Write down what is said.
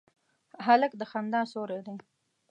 هلک د خندا سیوری دی.